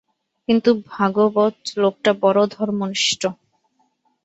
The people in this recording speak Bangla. কিন্তু ভাগবত লোকটা বড়ো ধর্মনিষ্ঠ।